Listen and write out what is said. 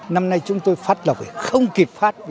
năm nay chúng tôi phát lộc không kịp phát